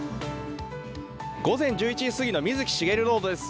午前１１時すぎの水木しげるロードです。